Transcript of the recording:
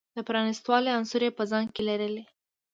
د پرانیست والي عناصر یې په ځان کې لرلی.